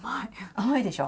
甘いでしょ？